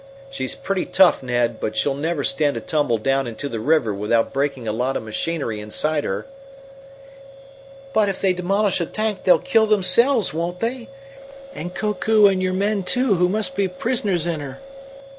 "She's pretty tough, Tom, but she'll never stand a tumble down into the river without breaking a lot of machinery inside her." "But if they demolish the tank they'll kill themselves, won't they? And Koku and your men, too, who must be prisoners in her!"